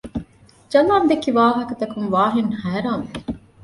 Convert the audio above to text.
ޖަލާން ދެއްކި ވާހަކަ ތަކުން ވާހިން ހައިރާން ވި